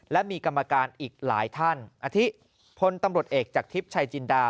และมีกรรมการอีกหลายท่านอธิพลตำรวจเอกจากทิพย์ชัยจินดา